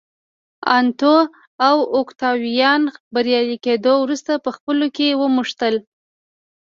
انتو او اوکتاویان بریالي کېدو وروسته په خپلو کې ونښتل